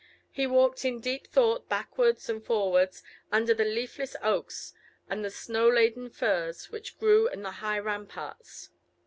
He walked in deep thought backwards and forwards under the leafless oaks and the snow laden firs which grew on the high ramparts.